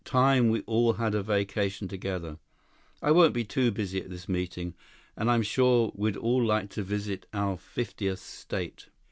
Time we all had a vacation together. I won't be too busy at this meeting. And I'm sure we'd all like to visit our fiftieth state."